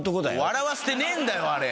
笑わせてねえんだよあれ！